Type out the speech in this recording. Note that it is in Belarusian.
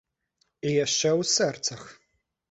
І яшчэ ў сэрцах.